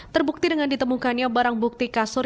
terbukti dengan ditemukannya barang bukti kasur